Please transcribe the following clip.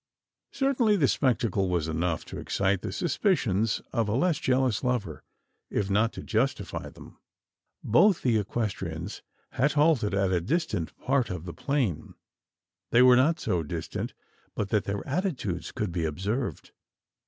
Certainly the spectacle was enough to excite the suspicions of a less jealous lover if not to justify them. Both the equestrians had halted at a distant part of the plain. They were not so distant, but that their attitudes could be observed.